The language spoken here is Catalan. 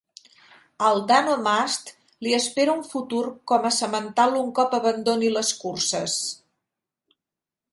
Al Dano-Mast li espera un futur com a semental un cop abandoni les curses.